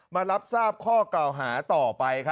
มารับทราบข้อกล่าวหาต่อไป